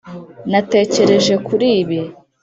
natekereje kuri ibi.